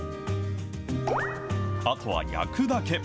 あとは焼くだけ。